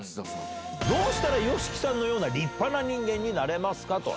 どうしたらＹＯＳＨＩＫＩさんのような立派な人間になれますか？